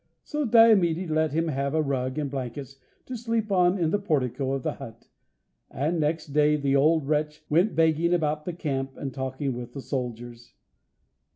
So Diomede let him have a rug and blankets to sleep on in the portico of the hut, and next day the old wretch went begging about the camp and talking with the soldiers.